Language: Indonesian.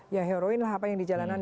ya heroin lah apa yang di jalanan